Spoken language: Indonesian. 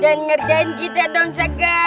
jangan ngerjain kita dong saga